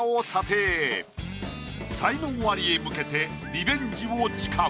才能アリへ向けてリベンジを誓う。